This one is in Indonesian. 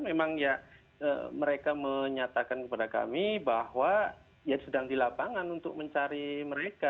memang ya mereka menyatakan kepada kami bahwa ya sedang di lapangan untuk mencari mereka